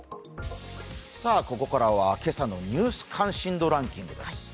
ここからは今朝のニュース関心度ランキングです。